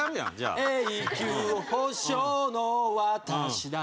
「永久保証の私だから。」